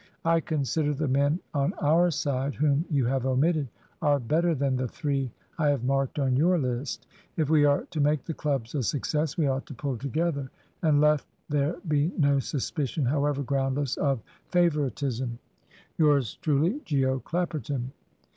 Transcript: I consider the men on our side whom you have omitted are better than the three I have marked on your list. If we are to make the clubs a success, we ought to pull together, and let there be no suspicion, however groundless, of favouritism. "Yours truly, Geo. Clapperton."